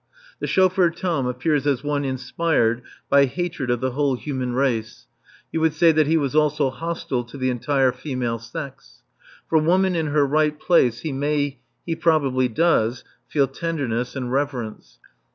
The chauffeur Tom appears as one inspired by hatred of the whole human race. You would say that he was also hostile to the entire female sex. For Woman in her right place he may, he probably does, feel tenderness and reverence.